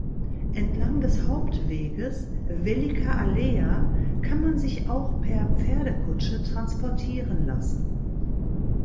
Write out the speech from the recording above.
Entlang des Hauptweges („Velika aleja“) kann man sich auch per Pferdekutsche transportieren lassen.